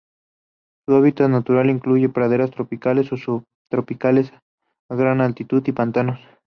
Su hábitat natural incluye praderas tropicales o subtropicales a gran altitud y pantanos.